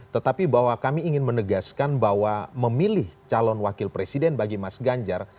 tetapi bahwa kami ingin menegaskan bahwa memilih calon wakil presiden bagi mas ganjar